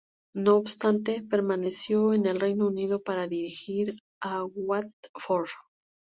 No obstante, permaneció en el Reino Unido para dirigir al Watford.